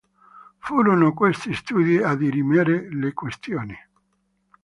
Furono questi studi a dirimere la questione.